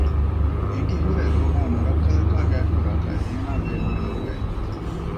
އެނގިހުރެ ރޫނާ ނުރައްކަލަކާ ގާތްކުރާކަށް އޭނާ ބޭނުމެއް ނުވެ